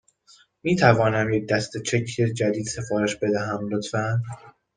می تونم یک دسته چک جدید سفارش بدهم، لطفاً؟